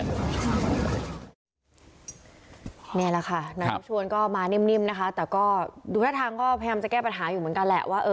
นี่แหละคนับชวนก็มานิ่มนะคะคือต้องแก้ปัญหาอยู่เหมือนกันแหละ